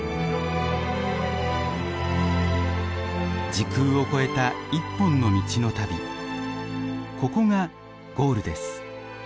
時空を超えた一本の道の旅ここがゴールです。